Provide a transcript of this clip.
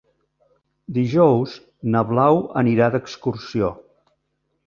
Dijous na Blau anirà d'excursió.